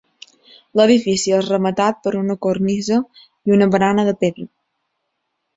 L'edifici és rematat per una cornisa i una barana de pedra.